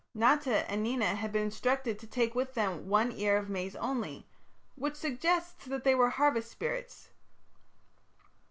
Nata and Nena had been instructed to take with them one ear of maize only, which suggests that they were harvest spirits.